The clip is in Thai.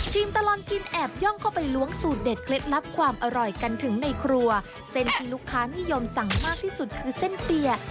ตลอดกินแอบย่องเข้าไปล้วงสูตรเด็ดเคล็ดลับความอร่อยกันถึงในครัวเส้นที่ลูกค้านิยมสั่งมากที่สุดคือเส้นเปีย